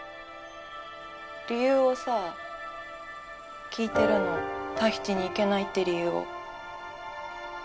理由をさ聞いてるのタヒチに行けないって理由を。